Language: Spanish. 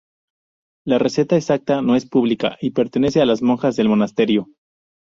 La receta exacta no es pública y pertenece a las monjas del monasterio.